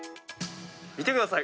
見てください。